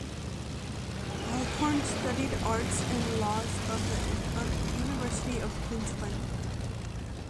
Alcorn studied arts and law at the University of Queensland.